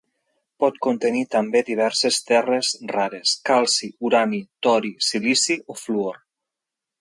Pot contenir també diverses terres rares, calci, urani, tori, silici o fluor.